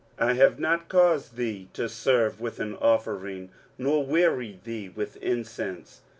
I have not caused thee to serve with an offering, nor wearied thee with incense.